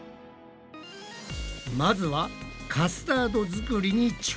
まずはカスタード作りに挑戦だ！